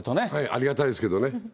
ありがたいですけどね。